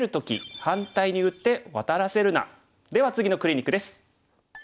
では次のクリニックです。